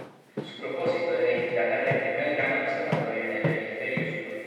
Su propósito era instalar el primer gran observatorio en el hemisferio Sur.